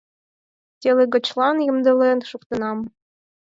Телыгочлан ямдылен шуктенам.